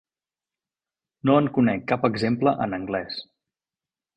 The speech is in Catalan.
No en conec cap exemple en anglès.